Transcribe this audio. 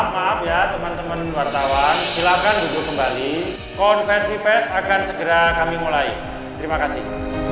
maaf ya teman teman wartawan silakan duduk kembali konversi pes akan segera kami mulai terima kasih